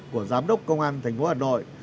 của giám đốc công an thành phố hà nội